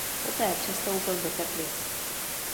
Poté přestoupil do Teplic.